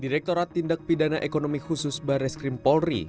direkturat tindak pidana ekonomi khusus baris krimpolri